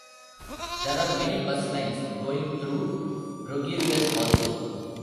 There are many bus lines going through Rogerius also.